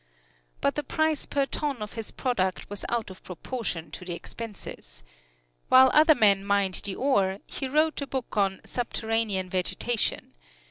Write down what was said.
But the price per ton of his product was out of proportion to the expenses. While other men mined the ore he wrote a book on "Subterranean Vegetation."